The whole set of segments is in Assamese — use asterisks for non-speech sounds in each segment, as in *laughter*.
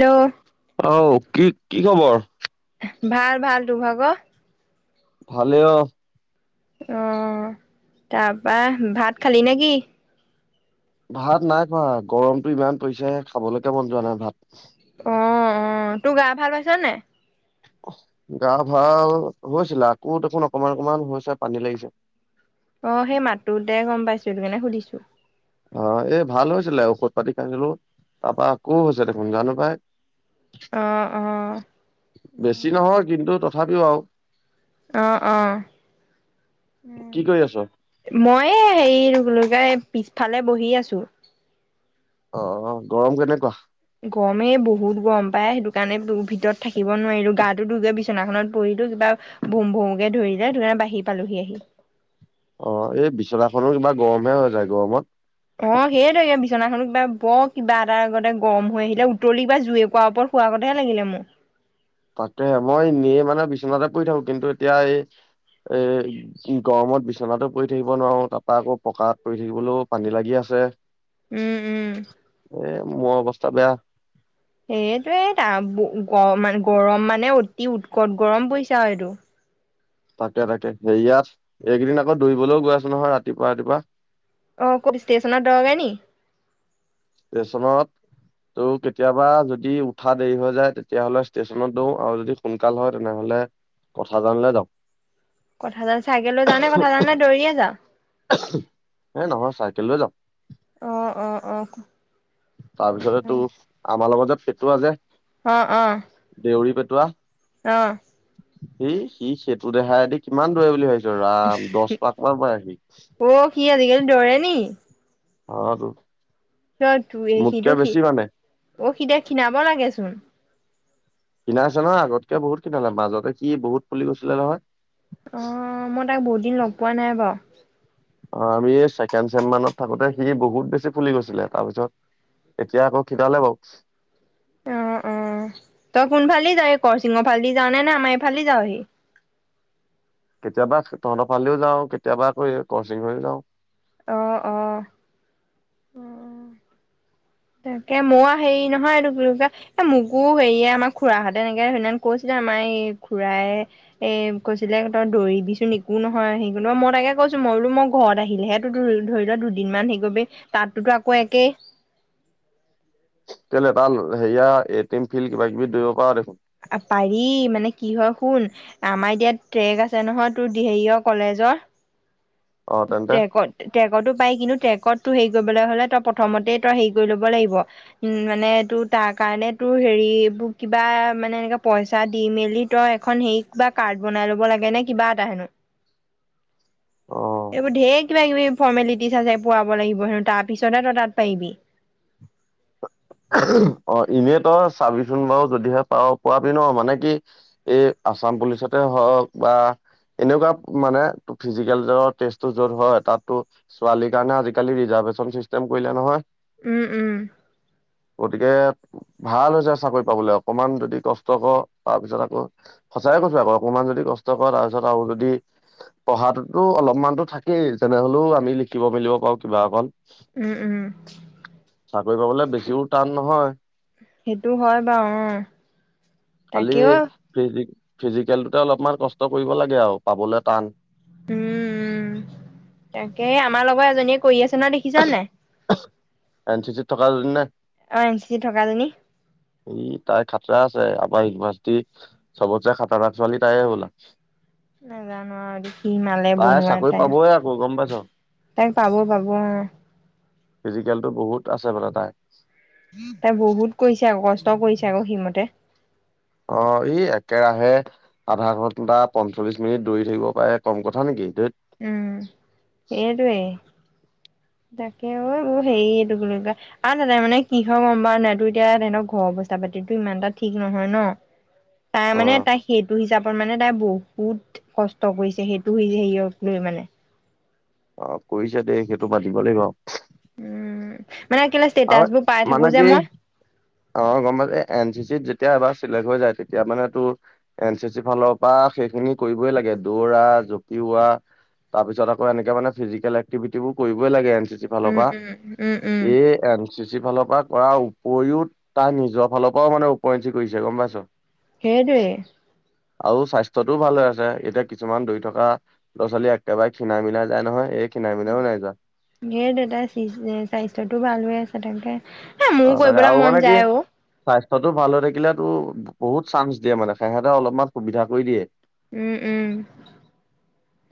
হেল্ল' আও কি কি খবৰ। ভাল ভাল তো ভাগ। ভালে অ। অ, তাৰ পৰা ভাত খালি নে কি। ভাত নাই খোৱা গৰমতটো ইমান পৰিছেে খাবলৈকে মন যোৱা নাই ভাত। অ', অ 'তোৰ গা ভাল পাইছনে নাই। গা ভাল হৈছিলা আকৌ দেখোন অকমান অকমান হৈছে পানী লাগিছে। অ সেই মাতটোতে গম পাইছিলো *unintelligible* সুধিছো। অ'এই ভাল হৈছিলে ঔষধ পাতি খাইছিলো, তাৰপা আকৌ হৈছে দেখোন জানো পাই। অ', অ', বেছি নহয় কিন্তু তথাপিও আৰু। আহ আহ। উম, কি কৰি আছ মই এ হেৰি কি বুলি কয়? পিছফালে বহি আছোঁ। অ' গৰম কেনেকুৱা। গৰমেই বহুত গৰম পাই সেইটো কাৰণে ভিতৰত থাকিব নোৱাৰিলো গা দুগে বিচনাখনত পৰি কিবা ভুম-ভুমকে ধৰিলে সেইটো কাৰণে বাঢ়ি পালোহি। অ 'এই বিচনাখনো কিবা গৰমহে হৈ যায় গৰমত। অ 'সেইতোয়ে বিচনাখনো কিবা বৰ কিবা এটা আগতে গৰম হৈ আহিলে উতলি কিবা জুই কোৱাৰ ওপৰত খোৱাৰ কথাহে লাগিলে মোক। তাকে মই নে মানে বিচনাতে পৰি থাকো কিন্তু এতিয়া এই। এই, গৰমত বিছনাতো পৰি থাকিব নোৱাৰো তাৰপৰা আকৌ পকাত পৰি থাকিবলৈও পানী লাগি আছে। এ উম উম মোৰ অৱস্থা বেয়া। সেইটোৱেই *unintelligible* গৰম মানে অতি উৎকট গৰম পৰিছা আৰু এইটো। তাকে তাকে সে ইয়াত এইকেইদিন আকৌ দৌৰিবলৈও গৈ আছো নহয় ৰাতিপুৱা ৰাতিপুৱা। অ 'কত ষ্টেশচন দৌৰগে নেকি। ষ্টেচনত। ত' কেতিয়াবা যদি উঠা দেৰি হৈ যায় তেতিয়াহলে ষ্টেচনত দৌ আৰু যদি সোনকাল হয় তেনেহলে কথা জানিলে যাওক কথা জাল চাইকেল লৈ যাও নে কথা জাল নে দৌৰিয়ে যাও এ নহয় চাই কেলৈ যাৱ অহ অহ অহ তাৰপিছতে টো আমাৰ লগৰ যে ফেটুৱা যে অহ অহ অহ এই সি সেইটো দেহাইদি কিমান দূৰে বুলি ভাবি ৰাম দশ পাঁক মান মাৰে সি অ সি আজিকালি দৌৰে নি অ টো ত ত সিটো সি অ সি এতিয়া খীণাব লাগেচোন। খীণাইছে মানে আগতকৈ বহুত খীণালে মাজতে কি বহুত ফুলি গৈছিলে নহয়। অ' মই তাক বহুতদিন লগপোৱা নাই বাৰু। অ আমি ছেকেণ্ড চেম মানত থাকোতে সি বহুত বেছি ফুলি গৈছিলে তাৰপিছত এতিয়া আকৌ খিণালে বাৰু। অহ অহ তই কোনফালে যাৱ হি কৰ শিঙৰ ফালেদি যাৱ নে নে আমাৰ এইফালে দি যাৱহি। কেতিয়াবা তহতৰ ফাল দিও যাওঁ কেতিয়াবা আকৌ এই কৰশিং হৈও যাওঁ। অহ অহ তাকে মই হেৰি নহয় এইটো কি বুলি কয় মোকো হেৰি এ আমাৰ খুৰাহঁতে এনেকে সেইদিনা কৈছিলে আ এই খুৰাই এ কৈছিলে তই দৌৰিবিচোন একো নহয় সেই মই তাকে কৈছো মই মই বোলো মই ঘৰত আহিলে তোটো ধৰি লোৱা দুদিনমান হেই কৰিব পাৰিব তাতোতো আকৌ একেই কেলে তাৰ হেৰিয়া এটি এম ফিল কিবা কিবি দৌৰিব পাৰ দেখোন পাৰি মানে কি হয় শুন আমাৰ এতিয়া ট্ৰেক আছে নহয় তোৰ হেৰিয় কলেজৰ অ তেন্তে ট্ৰেকত-ট্ৰেকতো পাৰি কিন্তু ট্ৰেকতো হেই কৰিবলৈ হলে তই প্ৰথমতেই তই হেৰি কৰি ল'ব লাগিব উম, মানে তোৰ তাৰ কাৰণে তোৰ হেৰি মোক কিবা মানে এনেকে পইচা দি মেলি তই এখন হেৰি কিবা কাৰ্ড বনাই ল'ব লাগে নে কিবা এটা হেনো অ এইবোৰ ধেৰ কিবা কিবি ফৰ্মেলিটিছ আছে পোৱাব লাগিব হেনো তাৰ পিছতেহ তই তাত পাৰিবি। অ, এনেই তই চাবিচোন বাৰু যদিহে পাৱ পোৱাবি ন মানে কি এই আ আসাম পুলিচতে হওক বা এনেকুৱা মানে তো ফিজিকেল টেষ্টটো যত হয় তাতটো ছোৱালীৰ কাৰণে আজিকালি ৰিজাল্ট কুৱেঞ্চন চিষ্টেম কৰিলে নহয়। উম-উম। গতিকে ভাল হৈছে চাকৰি পাবলৈ অকমান যদি কষ্ট কৰ তাৰ পিছত আকৌ সঁচাইে কৈছো আকৌ অকমান যদি কষ্ট কৰ তাৰপিছত আৰু যদি পঢ়াতটোতো অলপমানতো থাকেই তেনেহলেও আমি লিখিব মেলিব পাৰো কিবা অকন উম-উম। চাকৰি পাবলে বেছিও টান নহয়। সেইটো হয় বাৰু অ, খালি তাকেও ফিজ ফিজিকেলটোতে অলপমান কষ্ট কৰিব লাগে আৰু পাবলৈ টান। উম, তাকে আমাৰ লগত এজনীয়ে কৰি আছে নহয় দেখিছ নাই *unintelligible* এন চি চি ত থকাজনী নে অ, এন চি চি থকাজনী। ই *unintelligible* আছে আমাৰ ইউভাৰ্চিটি চবত চাই খাতাৰনাক ছোৱালী তাই হব'লা। নাজানো আৰু দে কি মালে তাই বনোৱা চাকৰি তাই পাবই আকৌ গম পাইছ তাইক পাব-পাব অ, ফিজিকেলতটো বহুত আছে বোলে তাই। তাই বহুত কৰিছে আকৌ কষ্ট কৰিছে আকৌ সেমতে। অ' ই একেৰাহে আধা ঘন্টা পঞ্চল্লিশ মিনিট দৌৰি থাকিব পাৰে কম কথা নেকি? ধেত উম এইটোৱেই। তাকে ঐ হেৰি আৰু দাদাই মানে কি হয়ৰ গম পাৱ নাই তো এতিয়া সঁতক ঘৰৰ পইচা-পাতিতটো ইমান এটা ঠিক নহয় ন তাই অ মানে তাই সেইটো হিচাপে মানে তাই বহুত কষ্ট কৰিছে সেইটো হৈছে হেয়ক লৈ মানে। অ কৰিছে দেই সেইটো মানিব লাগিব। উম মানে কেলে আৰু ষ্টেটাচ বোৰ পাই মানে থাকো যে কি মই। অ' গম পাই এই এন চি চিত যেতিয়া এবাৰ চিলেক্ট হৈ যায় তেতিয়া মানে টো এন চি চি ফালৰ পৰা শেষ সেই খিনি কৰিবই লাগে দৌৰা জপিওৱা। তাৰ পিছত আকৌ এনেক মানে ফিজিকেল এক্টিটিবোৰ কৰিবই লাগে। উম ফালপা উম উম উম এ এন চি বেছি ফালৰ পৰা কৰাৰ উপৰিও তাৰ নিজৰ ফালৰ পৰাও মানে ওৰঞ্চি কৰিছে গম পাইছ? সেইটোৱে আৰু স্বাস্থ্যটোও ভাল হৈ আছে এতিয়া কিছুমান দৌৰি থকা ল'ৰা-ছোৱালী একেবাৰে খীণা মিলাই যায় নহয় এক ওম সেইটোৱে তাই স্বাস্থ্যটো ভাল হৈ আছে তাকে। এ মোৰ অ' তাকে কৰিবলৈ আৰু মন মানে কি যায় অ স্বাস্থ্যতটো ভাল হৈ থাকিলে টো বহুত চান্স দিয়ে মানে সেহঁতে অলপমান সুবিধা কৰি দিয়ে। উম উম।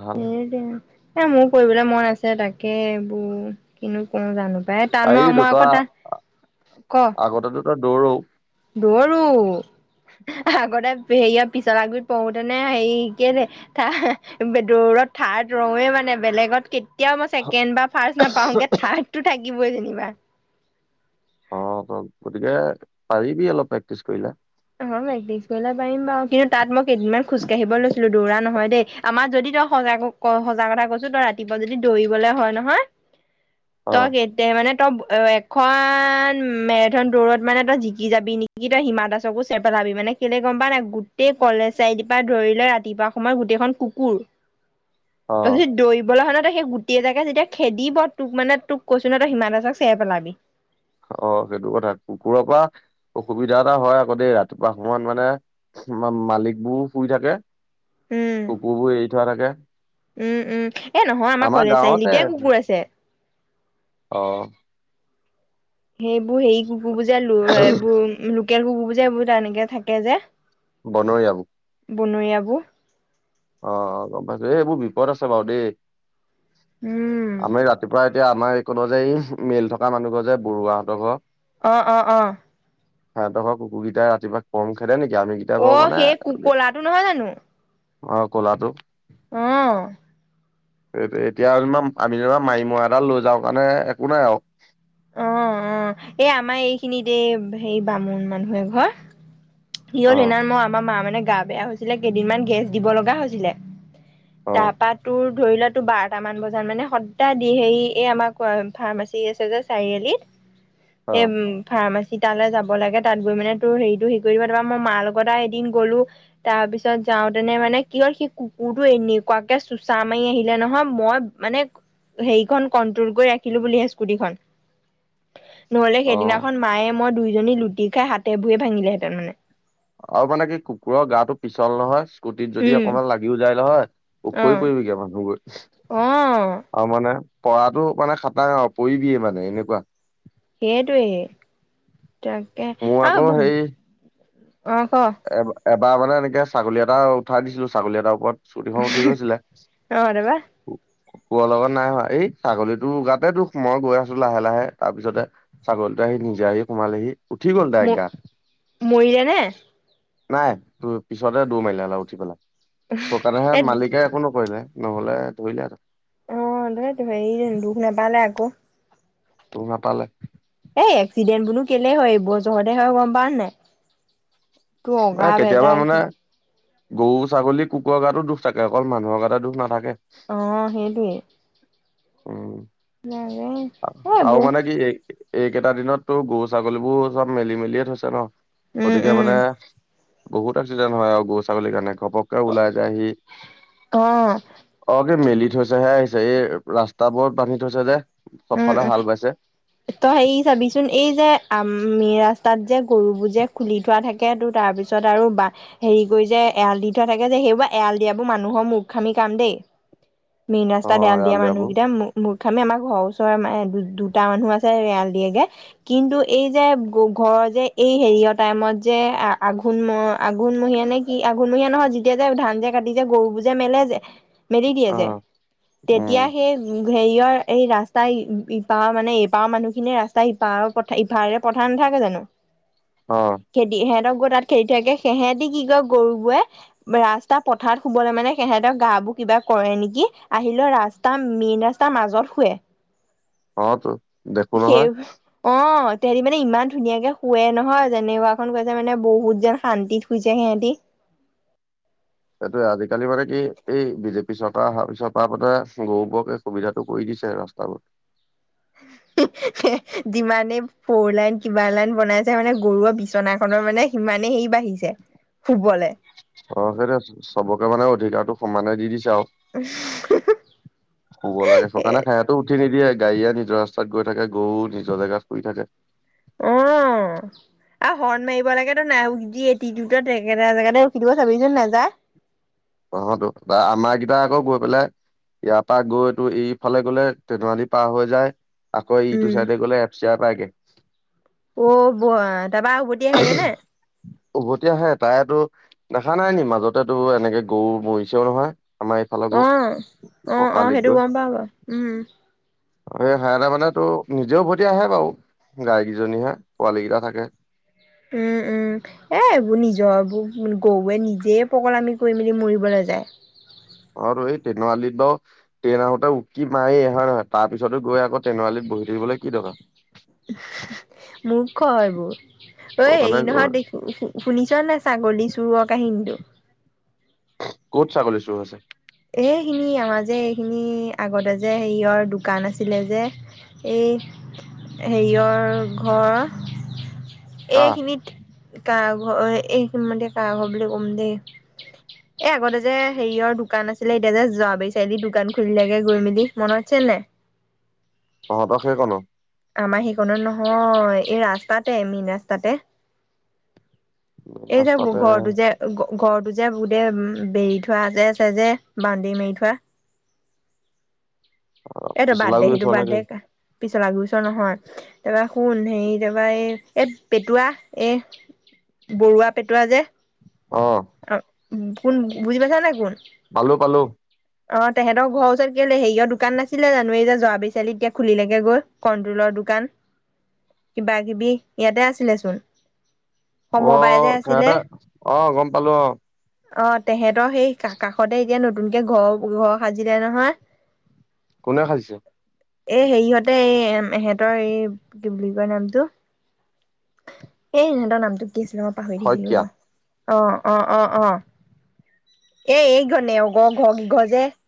ভাল এ মোৰ কৰিবলৈ মন আছে তাকে এইবোৰ কিনো কওঁ জানো? এ টান পাৰিবিতো মই আকৌ তই টা ক অ'দৌৰ দৰো। আগতে হেৰিয়াৰ পিছল আবিত পঢ়োতেনে হেৰি কি দৌৰত থাৰ্ড ৰওঁৱে মানে বেলেগত কেতিয়াও মই ছেকেণ্ড বা ফাৰট নাপাওঁগে থাৰ্ডটো থাকিবই যেনিবা। অ' গতিকে পাৰিবি অলপ প্ৰেক্টিচ কৰিলে। অ' প্ৰেক্টিছ কৰিলে পাৰিম বাৰু কিন্তু তাত মই কেইদিনমান খোজকাঢ়িব লৈছিলো দৌৰা নহয় দেই আমাৰ যদি তই সজাগ সজা কথা কৈছো তই ৰাতিপুৱা যদি দৌৰিবলে হয় নহয় অ তই এতিয়া মানে তই অ' এখন মেৰাথন দৌৰত মানে তই জিকি যাবি নেকি তই হিমা দাসকো পেলাবি মানে কেলে গম পাৱ নাই গোটেই কলেজ চাৰাই পৰা ধৰিলে ৰাতিপুৱা সময়ত গোটেইখন কুকুৰ। অ তই যদি ডৈৰিবলৈ হে না তই সেই গোটেই জাকে যেতিয়া খেদিব তোক মানে তোক কৈছো নহয় তই হিমানতে চেৰ পেলাবি। অ' সেইটো কথা কুকুৰৰ পৰা অসুবিধা এটা হয় আকৌ দেই ৰাতিপুৱা সময়ত মানে মা মালিক বোৰ শুই থাকে উম কুকুৰবোৰ এৰি থোৱা থাকে। উম উম এ নহয় আমাৰ কলেজ চাৰিআলিতে কুকুৰ আছে। অ সেইবোৰ হেৰি কুকুৰ বোৰ এইবোৰ লোকেল কুকুৰ বোৰ এইবোৰ এনেকে থাকে যে। বনৰীয়া। বনৰীয়া বোৰ। অ' অ' গম পাইছো এইবোৰ বিপদ আছে বাৰু দেই। উম আমি ৰাতিপুৱা এতিয়া আমাৰ এই কনৰ যে এই মিল থকা মানুহ ঘৰ যে বৰুৱাহঁতৰ ঘৰ অ' অঁ 'অঁ' সাহতৰ ঘৰ কুকুৰ কেইটা ৰাটিপুৱা কম খেদে নেকি? আমি কেইটা অ বাউ মানে সেই কু কলাটো নহয় অ'কলাটো হ'ম এতিয়া যেনিবা আমি যেনিবা মাৰিমৰা এডাল লৈ যাওঁ কাৰণে একো নাই আৰু। অ' অ এই আমাৰ এই খিনিত এই হে বামুণ মানুহে এঘৰট কি হ'ল অ সেইদিনা মই আমাৰ মা মানে গা বেয়া হৈছিলে কেইদিনমান গেছ দিব লগা হৈছিলে অ তাৰপা তোৰ ধৰি লোৱাাতো বাৰটামান বজাত মানে সদায় দি হেৰি এই আমাৰ ফাৰ্মাচী আছে যে চাৰিআলিত অ সে ফাৰ্মাচী সি তালৈ যাব লাগে তাত গৈ মানে তোৰ হেৰিটো হেৰি কৰি দিব তাৰপা মই মাৰ লগত এদিন গ'লো তাৰপিছত যাওঁতেনে মানে কি হ'ল সি কুকুৰটো এনেকুৱাকে চোচা মাৰি আহিলে নহয় মই মানে হেৰিখন কন্ট্ৰল কৰি ৰাখিলো বুলিহে স্কুটিখন নহলে অ সেইদিনাখন মায়ে মই দুইজনী লুটি খাই হাতে ভৰিয়ে ভাঙিলেহেঁতেন মানে আৰু মানে কি কুকুৰৰ গাটো পিছল নহয়। কুটিত যদি উম, অকমান লাগিও যায় লহয় ওফৰি অ', পৰিবিগে মানুহবোৰ। অ', আৰু মানে পৰাটো মানে খাটাং আৰু পৰিবিয়ে মানে এনেকুৱা সেই টোৱেই তাকে মোৰ আকৌ আৰু হেৰি অ' ক। এ এবাৰ মানে এনেকে ছাগলী এটা উঠাই দিছিলো ছাগলী এটাৰ ওপৰত স্কুটি খন উঠি গৈছিলে তাৰপা ককুৰৰ লগত নাই হোৱা, এই ছাগলীতোৰ গাতে দোষ মই গৈ আছো লাহে লাহে তাৰ পিছতে ছাগলী উলাই আহি নিজে আহি সোমালেহি উঠি গ'ল দাইৰেক্ট গাত ম-মৰিলে নে? নাই তোৰ পিছতে দৌৰ মাৰিলে অলপ উঠি পেলাই সকণেহে এ মালিকে একো নকৰিলে নহ'লে ধৰিলে আৰু অ' তটো দুখ নাপালে আকৌ। ত নাপালে এই এক্সিডেণ্ট বোৰো কেলেই হয় এইবোৰৰ জহতে হয় গম পাৱ নে এ কেতিয়াবা নাই মানে *unintelligible* গৰু ছাগলী কুকুৰৰ গাতো দোষ থাকে অকল মানুহৰ গাতে দোষ নাথাকে অ হেটোৱেই উ আৰু এইবোৰ মানে কি এই এইকেইটা দিনত তো গৰু ছাগলীবোৰ চব মেলি মেলিয়ে থৈছে ন। উম, গতিকে উম, মানে বহুত এক্সিডেণ্ট হয় আৰু গৰু ছাগলীৰ কাৰণে ঘপককে ওলাই যায়হি অ', অকে মেলি থৈছেহে আহি এই ৰাস্তা বোৰত বান্ধি থৈছে যে। উম চবফালে উম হাল বাইছে তই সেই চাবিচোন এই যে আমি ৰাস্তাত যে গৰুবোৰ যে খুলি থোৱা থাকে তো তাৰপিছত আৰু বা হেৰি কৰি যে এৰাল দি থোৱা থাকে যে সেইবোৰ এৰাল দিয়াবোৰ মানুহৰ মুৰ্খামি কাম দেই। মেনন অ ৰাস্তাত এড়াল দিয়া এৰালডৰাবোৰ মানুহকেইটা মুৰ্খামি আমাৰ ঘৰৰ ওচৰৰ তোমাৰ মা দুটা মানুহ আছে এড়াল দিয়েগে কিন্তু এই যে ঘৰৰ যে এই হেৰি টাইমত যে আঘোন আঘোন মহীয়া নে কি আঘোণমহীয়া নহয় যেতিয়া যে ধান যে কাটি গৰুবোৰ যে মেলে যে মেলি দিয়ে অ যে তেতিয়া উম সেই হেৰিয়ৰ এই ৰা ৰাস্তা ইপাৰ মানে এপাৰৰ মানুহখিনিয়ে ৰাস্তা সিপাৰৰ ইফাৰে পঠাই নাথাকে জানো। অ খেদি সিহঁতৰ তাত খেদি থাকে সিহঁতি কি কয় গৰুবোৰে ৰাস্তা পথাৰত শুবলৈ মানে সেহেতৰ গা বোৰ কিবা কৰে নেকি আহিলেও ৰাস্তা মেইন ৰাস্তাৰ মাজত শুৱে। অ তো দেখো সেই নহয় অ। তহতি মানে ইমান ধুনীয়াকে শুৱে নহয় যেনেকুৱাখন কৈছে মানে বহুতজন শান্তিত শুইছে সিহঁতি *unintelligible* এইটোয়ে আজিকালি মানে কি এই বিজেপি চৰকাৰ অহাৰ পিছত পাৰ গৰুবোৰকে সুবিধাটো কৰি দিয়ে ৰাস্তাবোৰত ত যিমানে ফৌৰ লাইন কিবা লাইন বনাইছে মানে গৰুৱে বিচনাখনৰ মানে সিমানেই সেই বাঢ়িছে শুবলে অ সেইটো চোন চবকে মানে অধিকাৰটো সমানে দি দিছে। চাও শুব লাগে এ শুকানে সিহতো উঠি নিদিয়ে গাড়ীয়ে নিজৰ ৰাস্তাত গৈ থাকে গৰু নিজৰ জেগাত শুই থাকে। অ', অ' আৰু হৰ্ণ মাৰিব লাগেতো নাই যি এটি একেটা জেগাতে ৰখি দিব চাবি চোন নাযায়। *inaudible* তহতো বা আমাৰ কিবা আকৌ গৈ পেলাই ইয়াৰ পৰা গৈতো এইফালে গলে তেনুৱালি পাৰ হৈ যায়। আকৌ ইটো উম। চাইডে গ'লে এফচিয়াৰ পাইগে। অ ব তাৰপা উভতি আহেগে নে? উভতি আহে তাইতো। দেখা নাই নি মাজতেতো এনেকে গৰু মৰিছেও নহয়। আমাৰ এইফালৰ গৰু অহ অহ অ পকালিত সেইটো গৈ গম পাওঁ উম। *unintelligible* মানে তোৰ নিজেও উভতি আহে বাৰু গাইকেইজনীহে পোৱালী কেইটা থাকে। উম উম এ এইবোৰ নিজৰ এইবোৰ গৰুৱে নিজেই পগলামি আমি কৰি মেলি মৰিবলৈ যায়। *inaudible* অ এই তেনুৱালিত বাৰু ট্ৰেইন আহোঁতে উকি মাৰি হয় নহয় তাৰ পিছতো গৈ আকৌ তেনাৱালিত। বহি থাকিবলৈ কি দৰকাৰ। কি কয় এইবোৰ ঐ সেইকাৰণে হেৰি নহয় গৈ দেখো শুনিছ নে ছাগলী চোৰৰ কাহিনীটো। ক'ত ছাগলী চুৰ হৈছে। এইখিনি আমাৰ যে এইখিনি আগতে যে হেৰিয়ৰ দোকান আছিলে যে। এই হেৰিয়ৰ ঘৰ। এই কাৰ খিনিত কা। ঘৰৰ এই সমত কা ঘৰ বুলি ক'ম দেই এই আগতে যে হেৰিয়ৰ দোকান আছে। আছিলে এতিয়া যে যোৱাবেলি চাৰি আলিত দোকান খুলিলে গৈ মেলি মনত আছিল নে নাই। তহঁতৰ সেইকণ। আমাৰ সেইকণো নহয় এই ৰাস্তাতে মেইন ৰাস্তাতে। মেইন এই যে ৰাস্তাতে ঘৰটো যে ঘৰটো যে। *unintelligible* বেৰি থোৱা আছে আছে যে বাউণ্ডেৰী মেৰি থোৱা। ইটো বাদ পিছলা দে গুৰি সিটো ওচৰ নে বাদ কি দে পিছলা গৰু চুৰ নহয় তাৰপৰা শুন হেৰি তাৰপৰা এ পেটুৱা এ। বৰুৱা পেটুৱা যে। অ। উম কোন বুজি পাইছা নে কোন। পালোঁ পালোঁ। অ তেহঁতৰ ঘৰৰ ওচৰত কেলে হেৰিয় দোকান নাছিলে জানো যে যোৱাবেৰ চাৰিআলিত এতিয়া খুলিলেকে গৈ কনট্ৰলৰ দোকান। দোকান কিবা কিবি ইয়াতে আছিলে চোন। অ, সমবায় যে আছিলে সিহঁতে গম পালো অ,। অ তেহেঁতৰ সেই কাষতে এতিয়া নতুনকে ঘৰ ঘৰ সাজিলে নহয়। কোনে সাঁজিছে। এ হেৰিহঁতে এই ইহঁতৰ এই কি বুলি কয় নামটো। এ সিহঁতৰ নামটো। কৃষ্ণ পাহৰি থাকিলো শইকীয়া। ৰ অ, অ, অ, অ। এ এই ঘনে ঘ, ঘ, ঘ, যে।